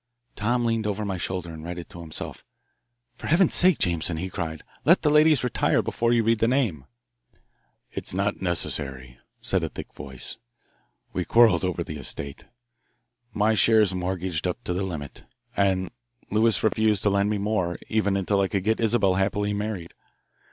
Tom leaned over my shoulder and read it to himself. "For Heaven's sake, Jameson," he cried, "let the ladies retire before you read the name." "It's not necessary," said a thick voice. "We quarrelled over the estate. My share's mortgaged up to the limit, and Lewis refused to lend me more even until I could get Isabelle happily married.